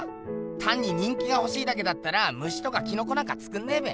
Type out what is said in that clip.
たんに人気がほしいだけだったら虫とかキノコなんかつくんねえべ。